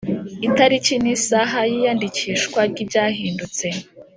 itariki n isaha y iyandikishwa ry ibyahindutse